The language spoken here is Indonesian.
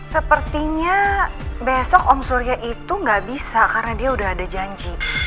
sepertinya besok om surya itu nggak bisa karena dia udah ada janji